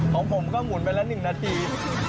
ตอนนี้ของผมก็หมุนไปละ๑นาที